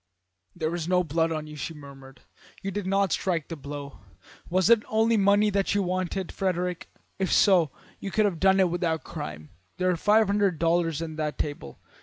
"'There is no blood on you,' she murmured. 'You did not strike the blow. Was it money only that you wanted, Frederick? If so, you could have had it without crime. There are five hundred dollars on that table.